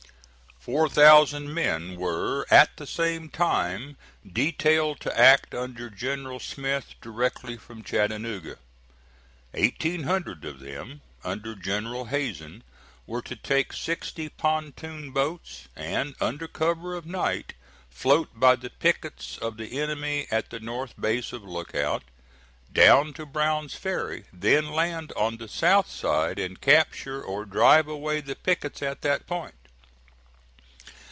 Four thousand men were at the same time detailed to act under General Smith directly from Chattanooga. Eighteen hundred of them, under General Hazen, were to take sixty pontoon boats, and under cover of night float by the pickets of the enemy at the north base of Lookout, down to Brown's Ferry, then land on the south side and capture or drive away the pickets at that point.